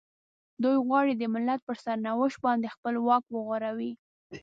دوی غواړي د ملت پر سرنوشت باندې خپل واک وغوړوي.